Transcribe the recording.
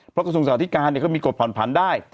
เพราะกระทรวงสาธิการเขามีกฎผ่อนผันได้